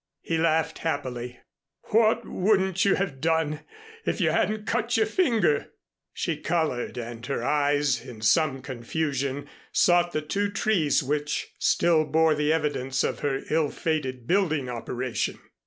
He laughed happily, "What wouldn't you have done if you hadn't cut your finger?" She colored and her eyes, in some confusion, sought the two trees which still bore the evidence of her ill fated building operation.